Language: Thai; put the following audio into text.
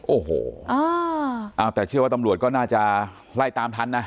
โอ้โหเอาแต่เชื่อว่าตำรวจก็น่าจะไล่ตามทันนะ